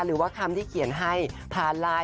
หรือว่าคำที่เขียนให้ผ่านไลน์